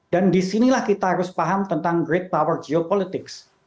dan disinilah kita harus paham tentang great power geopolitics